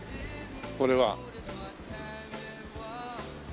これは。